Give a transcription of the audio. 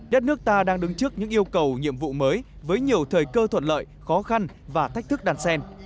đất nước ta đang đứng trước những yêu cầu nhiệm vụ mới với nhiều thời cơ thuận lợi khó khăn và thách thức đàn sen